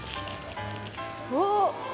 おっ。